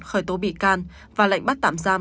khởi tố bị can và lệnh bắt tạm giam